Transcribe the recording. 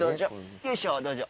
よいしょどうじょ。